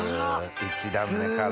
１段目から。